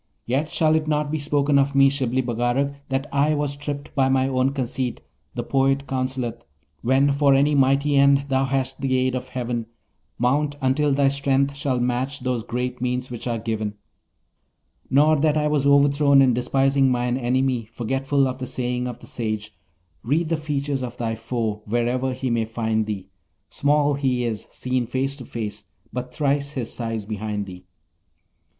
Yet shall it not be spoken of me, Shibli Bagarag, that I was tripped by my own conceit; the poet counselleth: "When for any mighty end thou hast the aid of heaven, Mount until thy strength shall match those great means which are given": nor that I was overthrown in despising mine enemy, forgetful of the saying of the sage: "Read the features of thy foe, wherever he may find thee, Small he is, seen face to face, but thrice his size behind thee."